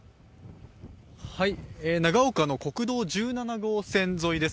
長岡の国道１７号線沿いです。